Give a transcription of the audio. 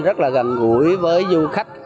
rất là gần gũi với du khách